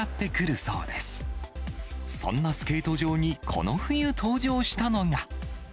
そんなスケート場にこの冬登場したのが。